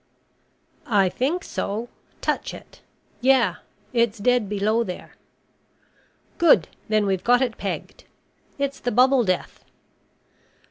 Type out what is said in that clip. "I think so. Touch it. Yeah. It's dead below there." "Good. Then we've got it pegged. It's the Bubble Death."